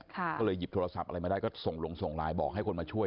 ก็เลยหยิบโทรศัพท์อะไรมาได้ก็ส่งลงส่งไลน์บอกให้คนมาช่วย